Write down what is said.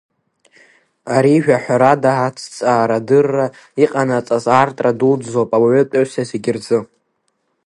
Ари, жәаҳәарада аҭҵаарадырра иҟанаҵаз аартра дуӡӡоуп ауаатәыҩса зегьы рзы.